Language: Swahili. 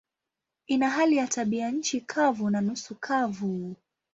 Ina hali ya tabianchi kavu na nusu kavu.